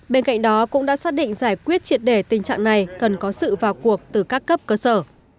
bên cạnh đó cũng đã xác định giải quyết triệt đề tình trạng này cần có sự vào cuộc từ các cấp cơ sở